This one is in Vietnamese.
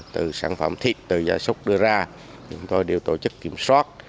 từ sản phẩm thịt từ giả xúc đưa ra chúng tôi đều tổ chức kiểm soát